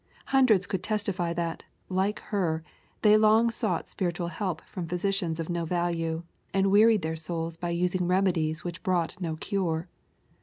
Hundreds could testify that, like her, they long sought spiritual help from physicians of no value, and wearied their souls by using remedies which brought no cure.